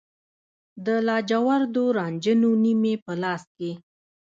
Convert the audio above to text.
د لاجوردو رنجه نوني مې په لاس کې